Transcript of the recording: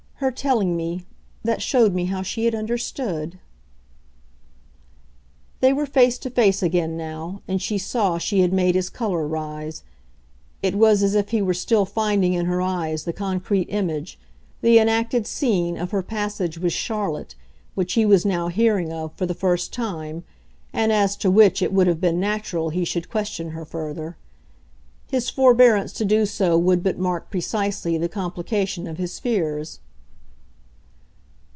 Her telling me that showed me how she had understood." They were face to face again now, and she saw she had made his colour rise; it was as if he were still finding in her eyes the concrete image, the enacted scene, of her passage with Charlotte, which he was now hearing of for the first time and as to which it would have been natural he should question her further. His forbearance to do so would but mark, precisely, the complication of his fears.